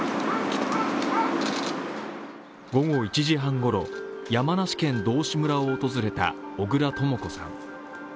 午後１時半ごろ、山梨県道志村を訪れた、小倉とも子さん。